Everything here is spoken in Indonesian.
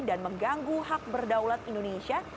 dan mengganggu hak berdaulat indonesia